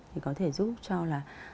thì có thể giúp cho là